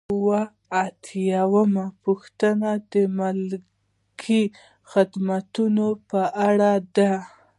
اووه اتیا یمه پوښتنه د ملکي خدمتونو په اړه ده.